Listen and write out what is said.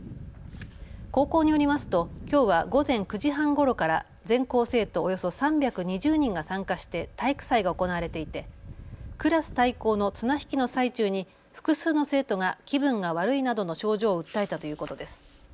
高校によりますときょうは午前９時半ごろから全校生徒およそ３２０人が参加して体育祭が行われていてクラス対抗の綱引きの最中に複数の生徒が気分が悪いなどの症状を訴えたということです。